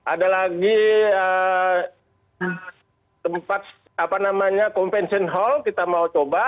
ada lagi tempat convention hall kita mau coba